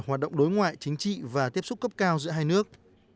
hoạt động đối ngoại chính trị và tiếp xúc cấp cao giữa hai nước